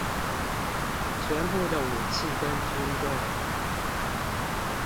全部的武器跟軍隊